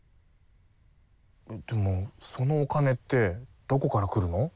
えっでもそのお金ってどこからくるの？